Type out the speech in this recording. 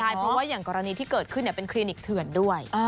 เพราะว่าอย่างกรณีที่เกิดขึ้นเป็นคลินิกเถื่อนด้วย